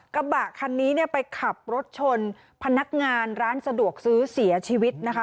กระบะคันนี้เนี่ยไปขับรถชนพนักงานร้านสะดวกซื้อเสียชีวิตนะคะ